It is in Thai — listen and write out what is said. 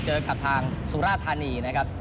เจอกับทางสุราธานีนะครับ